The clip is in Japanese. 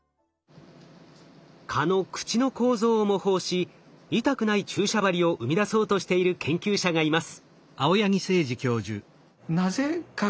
蚊の口の構造を模倣し痛くない注射針を生み出そうとしている研究者がいます。